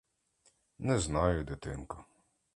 — Не знаю, дитинко.